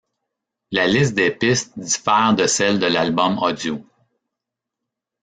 La liste des pistes diffère de celle de l'album audio.